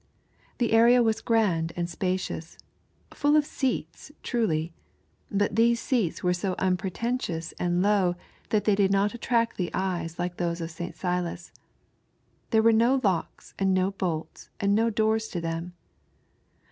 The area was grand and spacious, full of seats truly, but these seats were so unpretentious and low that they did not attract the eye like those of St. Silas. There were no locks and no bolts and no doors to them.